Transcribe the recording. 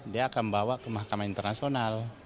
dia akan bawa ke mahkamah internasional